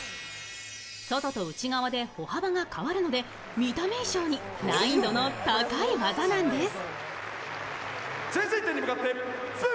外と内側で歩幅が変わるので見た目以上に難易度の高い技なんです。